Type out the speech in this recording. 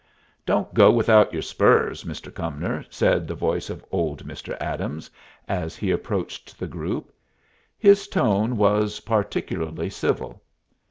"Don't go without your spurs, Mr. Cumnor," said the voice of old Mr. Adams, as he approached the group. His tone was particularly civil.